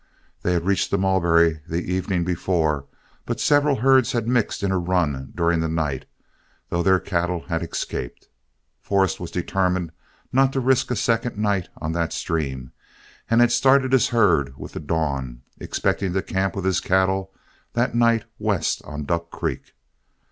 They had reached the Mulberry the evening before, but several herds had mixed in a run during the night, though their cattle had escaped. Forrest was determined not to risk a second night on that stream, and had started his herd with the dawn, expecting to camp with his cattle that night west on Duck Creek.